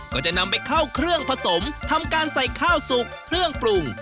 ก็จะนำไปเข้าเครื่องผสมทำการใส่ข้าวสุกเครื่องปรุง